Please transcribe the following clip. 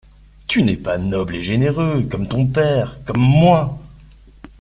Tu n'es pas noble et généreux comme ton père, comme moi.